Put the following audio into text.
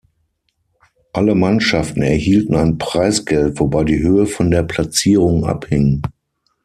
Alle Mannschaften erhielten ein Preisgeld, wobei die Höhe von der Platzierung abhing.